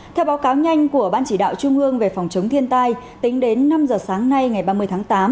theo báo cáo nhanh của ban chỉ đạo trung ương về phòng chống thiên tai tính đến năm giờ sáng nay ngày ba mươi tháng tám